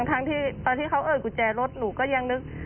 ตอนที่เขาเอ่ยกุญแจรถหนูก็ยังนึก